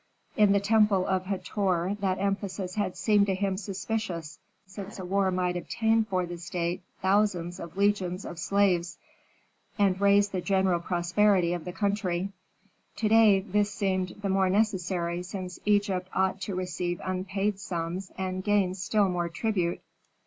In the temple of Hator that emphasis had seemed to him suspicious, since a war might obtain for the state thousands of legions of slaves, and raise the general prosperity of the country. To day this seemed the more necessary since Egypt ought to receive unpaid sums and gain still more tribute.